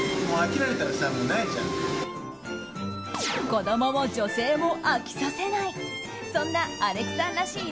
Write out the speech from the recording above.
子供も女性も飽きさせない。